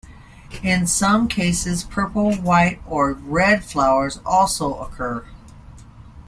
In some cases purple, white or red flowers also occur.